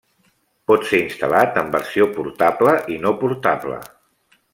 Pot ser instal·lat en versió portable i no portable.